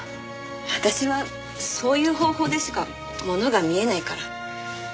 私はそういう方法でしか物が見えないから。